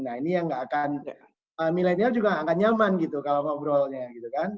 nah ini yang nggak akan milenial juga akan nyaman gitu kalau ngobrolnya gitu kan